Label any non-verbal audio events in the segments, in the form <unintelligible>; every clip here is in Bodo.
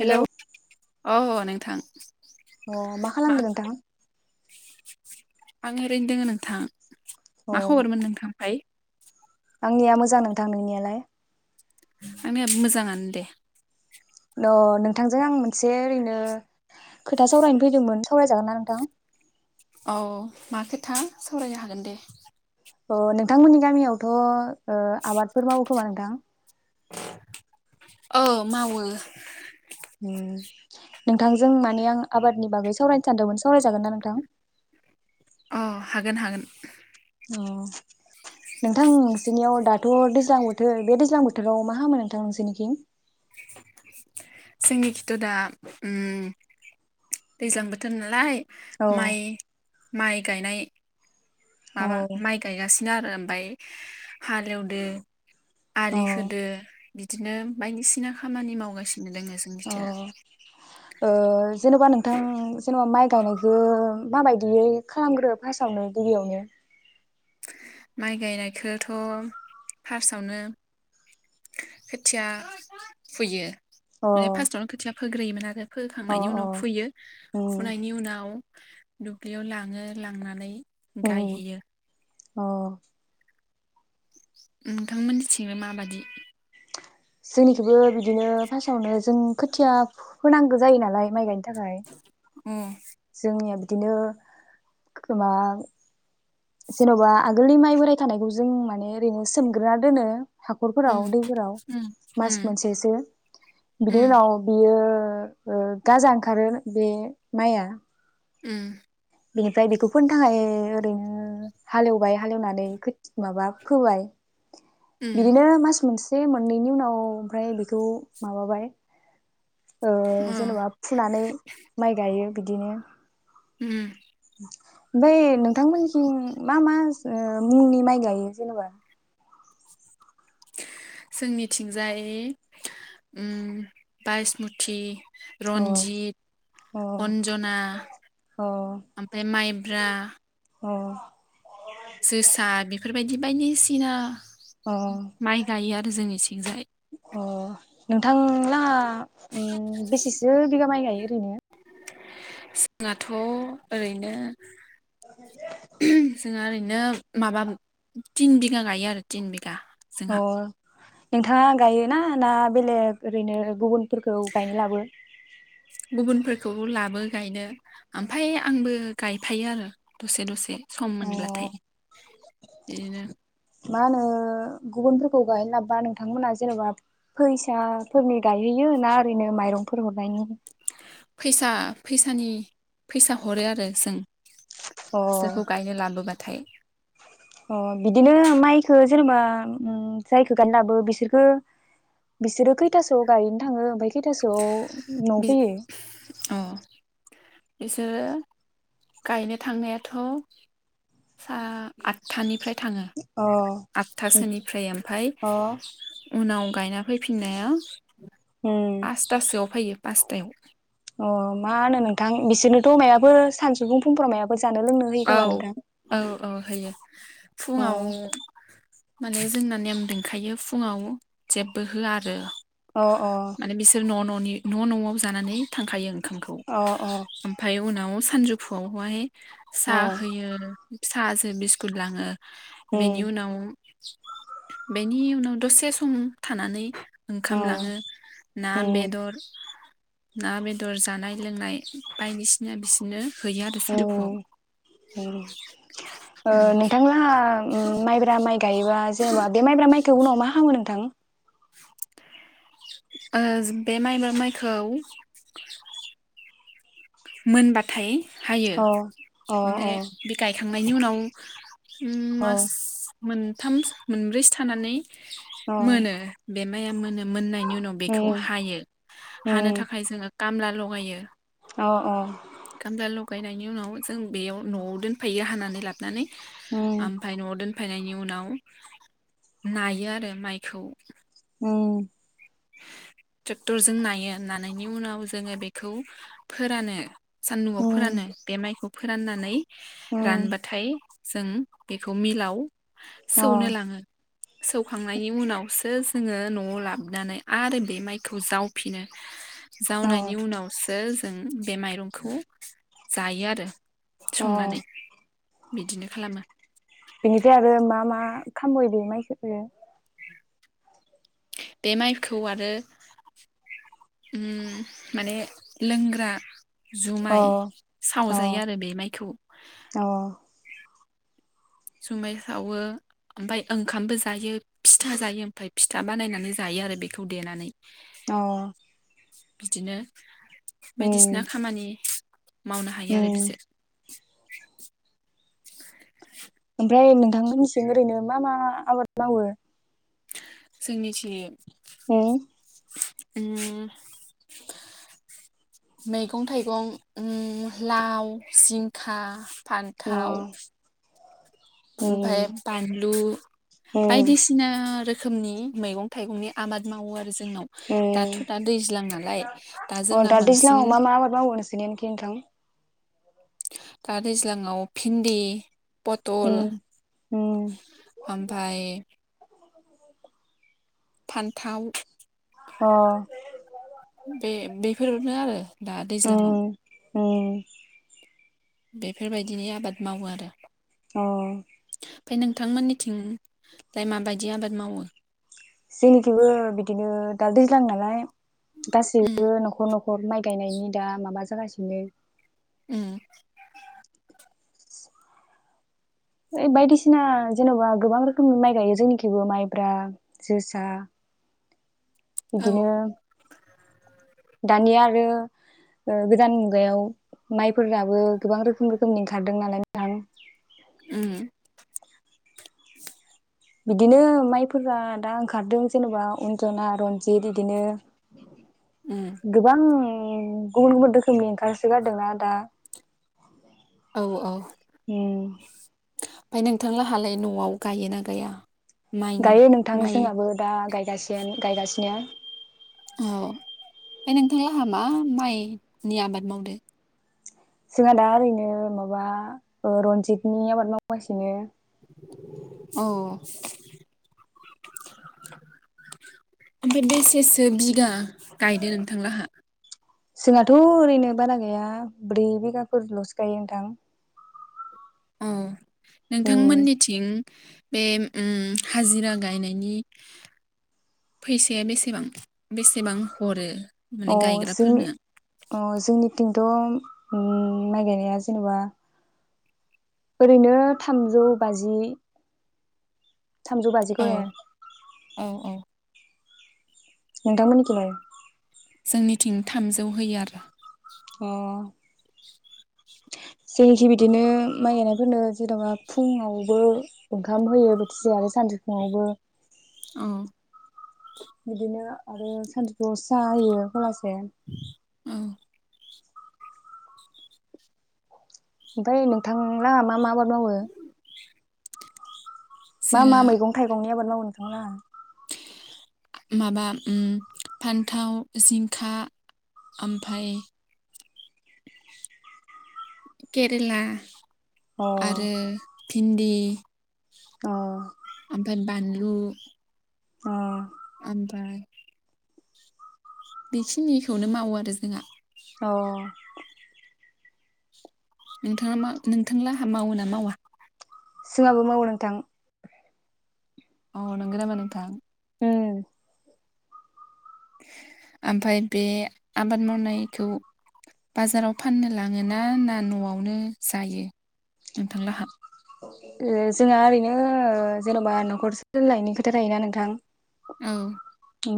हेलौ हेल' औ अ नोंथां अ मा खालामदो नोंथा? आं ओरैनो दोङो नोंथां अ मा खबरमोन नोंथां‌ ओमफाय आंनिया मोजां नोंथां नोंनियालाय? आंनियाबो मोजाङानो दे अ नोंथांजों आं मोनसे ओरैनो खोथा सावरायनो फैदोंमोन सावरायजागोन ना नोंथां? औ मा खोथा सावरायनो हागोन दे औ नोंथांमोननि गामियावथ' ओ आबादफोर मावो खोमा नोंथां औ मावो उम नोंथांजों माने आं आबादनि बागै सावरायनो सानदोंमोन सावरायजागोन ना नोंथां? अ हागोन हागोन अ नोंथां नोंसोरनियाव दाथ' दैज्लां बोथोर बे दैज्लां बोथोराव मा खामो नोंथां नोंसोरनिथिं? जोंनि खिथ' दा उम दैज्लां बोथोर नालाय औ माइ माइ गायनाय औ माबा माइ गायगासि नो आरो ओमफाय हालेवदो औ आलि होदो बिदिनो बायदिसिना खामानि मावगासि अ ओ जेनबा नोंथां जेनबा माइ गायनायखो माबायदियै खालामग्रो फासआवनो गिबियावनो माइ गायनायखोथ' फार्स्टआवनो खोथिया फुयो अ माने फास्टआवनो खोथिया फोग्रोयोमोन आरो अ फोखांनायनि उनाव अ फुयो उम फुनायनि उनाव। दुब्लियाव लाङो लांनानै उम गायहैयो। अ। नोंथांमोननिथिंलाय माबादि? जोंनिखैबो बिदिनो फार्स्टावनो जों खोथिया फोनांगो जायो नालाय माइ गायनो थाखाय। अ जोंनिया बि दिनो <unintelligible> जेन'बा आगोलनि माइ बोराय थानायखौ जों माने ओरैनो सोमग्रोना दोनो। हाखरफोराव उम दैफोराव उम मास उम मोनसेसो बिनि उम उनाव बियो ओ ओ गाजा ओंखारो बे माइया उम। बिनिफ्राय बेखौ फोनो थाखाय ओरैनो हालेवबाय हालेवनानै खोथ माबा फोबाय। उम बिदिनो मास मोनस से मोननैनि उनाव ओमफ्राय बेखौ माबाबाय ओ अ जेनेबा फुनानै माइ गायो। बिदिनो उम। ओमफाय नोंथांमोननिथिं मा मा मुंनि माइ गायो जेनेबा? जोंनिथिंजाय उम बायसमुथि। अ रन्जित, अन्जना अ ओमफाय माइब्रा। अ जोसा बेफोरबाय बायदि। दिसिना अ माइ गायो आरो जोंनिथिंजाय। अ नोंथां लाङा उम बेसेसो बिगा माइ गायो ओरैनो? जोंहाथ' ओरैनो जोंहा ओरैनो बिदिनो माबाब तिन बिगा गायो आरो तिन बिगा। अ। जोंहा नोंथाङा गायोना ना बेलेग ओरैनो गुबुन फोरखौ गायनो लाबो गुबुनफोरखौबो लाबो गायनो ओमफाय आंबो गायफायो आरो दसे दसे। सम अ मोनब्लाथाय बिदिनो। मा होनो गुबुनफोरखौ गायनो लाब्बा नोंथांमोना जेन'बा फैसाफोरनि गायहोयो ना ओरैनो माइरंफोर हरनायनि फैसा फैसानि फैसा हरो आरो जों अ सोखौ गायनो लाबोबा थाय। अ बिदिनो माइखौ जेनेबा उम जायखौ गायनो लाबो बिसोरखो बिसोरो खैथासोआव गायनो थाङो ओमफाय खैथासोआव बि न'फैयो? अ बिसोरो गायनो थांनायाथ' सा आतथानिफ्राय थाङो अ आतथा सोनिफ्राय ओमफाय अ उनाव गायना फैफि नाया उम पासतासोआव फैयो। पासतायाव अ मा होनो नोंथां बिसोरनोथ' मायाबो सानसुफुं फुंफोराव मायाब औ औ औ होयो अ फुङाव माने जोंना नेम दोंखायो फुङाव जेबो होआ आरो अ माने बिसोर न' न' नि न' न'आव जानानै थांखायो ओंखामखौ अ अ ओमफाय उनाव सानजौफुआवहाय सा अ होयो। साजो बिस्कुट लाङो। उम बेनिउनाव बेनि उनाव दसे सम थानानै अ ओंखाम लाङो ना, उम बेदर ना बेदर जानाय लोंनाय बायदिसिना बिसोनो हैयो आरो उम सानदौफुआव। उम ओ नोंथां लाहा उम माइब्रा माइ गायो? बा जेनेबा बे माइब्रा माइखौ उनाव मा हामो नोंथां ओज बे माइ माइखौ मोनबाथाय हायो अ अ माने अ बि गाय थांनायनि उनाव उम अ मास मोनथाम मोनब्रैसो थानानै अ मोनो बे माया मोनो मोननायनि उनाव बेखौ उम हायो हानो उम थाखाय जोङो कामला लगायो औ अ कामला लगायनायनि उनाव जों बेयाव न'आव दोनफैायो हानानै लाबनानै उम ओमफ्राय न'आव दोन फायनायनि उनाव नायो आरो माइखौ। उम ट्रेक्टरजों नायो नानायनि उनाव जोङो बेखौ फोरानो सान्दुंआव उम फोरानो बे माइखौ। फोराननानै अ रानबाथाय जों बेखौ मिलाव सौनो लाङो सौखांनायनि उनाव जोङो नआव लाबनानै आरो बे माइखौ जावफिनो अ जावनायनि उनावसो जों बे माइरंखौ जायो आरो अ संनानै। बिदिनो खालामो। बिनिफ्राय आरो मा मा खामबयो बे माइखो? बे माइखौ आरो उम माने लोंग्रा अ जुमाय अ सावजायो आरो बे माइखौ अ जुमाइ सावो ओमफाय ओंखामबो जायो फिथा जायो ओमफाय फिथा बानायनानै जायो आरो बेखौ देनानै। अ बिदिनो बायदिसिना खामानि मावनो हायो आरो उम बिजो <inaudible> उमफाय नोंथांमोननिथिं ओरैनो मा मा आबाद मावो? जोंनिथिं उम उम मैगं थाइगं उम लाव, जिंखा फान्थाव ओमफाय बानलु बायदिसिना रो रोखोमनि मैगं थाइगंनि आबाद मावो आरो जोंनाव दाथ' दा दैज्लां नालाय अ जोंना दा बांसिन दैज्लाङाव मा मा आबाद मावो नोंसोरनि खि नोंथां, दा दैज्लाङाव भिन्दि, पटल उम उम ओनफाय फान्थाव अ बे बेफोरनो आरो दा दैज्लाङाव ए बेफोरबायदिनो आबाद मावो आरो अ ओमफ्राय नोंथांमोननिथिंजाय माबायदि आबाद मावो जेनिखिबो बिदिनो दाल दैज्लां नालाय, उम गासैबो न'खर न'खर हर माइ गायनायनि दा माबा जागासिनो, उम <inaudible> बायदिसिना जेन'बा गोबां रोखोमनि माइ गायो जोंनिखिबो माइब्रा जोसा, औ बिदिनो, दानि आरो ओ गोदान मुगायाव माइफोराबो गोबां रोखोम रोखोमनि ओंखार दों नालाय नोंथां, उम <inaudible> बिदिनो माइफोरा दा ओंखारदों जेनेबा अन्जना रन्जित इदिनो, उम गोबां, गुबुन गुबुन रोखोमनि ओंखारसो गारदोंना दा, औ औ उम ओमफ्राय नोंथां लोंहालाय न'आव गायोना गाया? माइनि गायो नोंथां माइ जोंहाबो दा गाय, <unintelligible> गायगासिनो औ ओमफ्राय नोंथांला आंहा मा माइनि आबाद मावदो, जोंहा दा ओरैनो माबा रनजितनि आबाद मावगासिनो, अ ओमफ्राय बेसेसो बिगा गायदो नोंथां लोंहा जोंहाथ' ओरैनो बारा गैया ब्रै बिगाफोर लसो गायो नोंथां, उम नोंथां उम मोननिथिं, बे उम हाजिरा गायनायनि फैसाया बेसेबां बेसेबां हरो, माने अ जोंनि गायग्राफोरनो? अ जोंथिं, थ' माइ गायनाया जेनेबा ओरैनो थामजौ बाजि थामजौ बाजि गरे औ औ औ नोंथांमोनखिलाय? जोंनिथिं थामजौ होयो आरो अ जोंनिखि बिदिनो माइ गायनायफोरनो जेन'बा फुङावबो ओंखाम होयो बोथिसे आरो सानजु फुङावबो औ बिदिनो आरो सानजुफुआव सा होयो बेला से औ ओमफाय नोंथांलाङा मा मा आबाद मावो? <inaudible> मा मा जोंहा मैगं थाइगंनि आबाद मावो? नोंथांलांहा? माबा उम फान्थाव जिंखा ओमफाय केरेला अ आरो भिन्दि <inaudible> अ आमफाय बानलु अ आमफाय बेखिनिखौनो मावो आरो जोंहा। अ नोंथाङा मा नोंथांलाहा मावो ना मावा? जोङखबो मावो नोंथां। अ नोंगो नामा नोंथां? उम ओमफाय बे आबाद मावनायखौ बाजाराव फाननो लाङो ना ना न'आवनो जायो नोंथांलाहा ओ जोंहा ओरैनो ओ जेन'बा न'खर <unintelligible> खोथा थायो ना नोंथां औ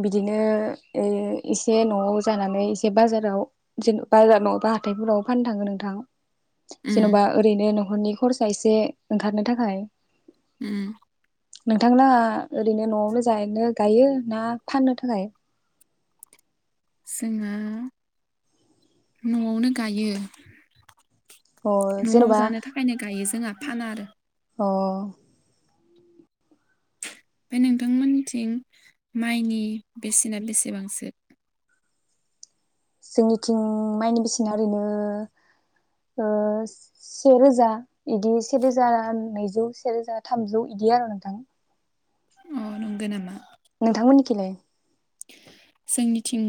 बिदिनो ओ एसे न'आव जानानै एसे बाजाराव जेन बाजार न' बा हाथाइफोराव फाननो थाङो नोंथां। उम जेन'बा ओरैनो न'खरनि खरसा इसे ओंखारनो थाखाय उम नोंथांलांहा ओरैनो न'आवनो जानो गायो ना फाननो थाखाय जोंहा न'आवनो गायो। अ न'आव जेन'बा जानो थाखायनो गायो जोंहा फाना आरो अ ओमफाय नोंथांमोननिथिं माइनि बेसेना बेसेबांसो? जोंनिथिं माइनि बेसेना ओरैनो ओ सेे रोजा इदि से रोजा नैजौ से रोजा थामजौ इदि आरो नोंथां‌ नंगो नामा? नोंथांमोननिखैलाय? जोंनिथिं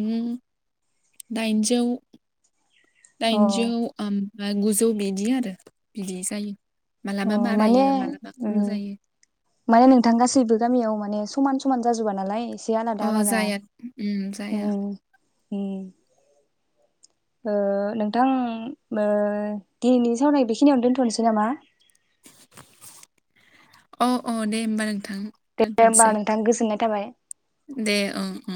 दाइनजौ अ दाइनजौ ओम ओ गुजौ बिदि आरो बिदि जायो। अ मालाबा माने बारायो मालाबा खम ओम जायो माने नोंथां गासैबो गामियाव माने समान समान जाजोबा नालाय ए अ जाया ओम जाया ओम ओह नोंथां ओह दिनैनि सावरायनाय बेखिनियावनो दोनथ'नोसै नामा? अ अ दे होमबा नों दे होमबा नोंथां गोजोननाय थाबाय। दे ओं ओं